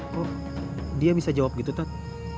kok dia bisa jawab gitu tot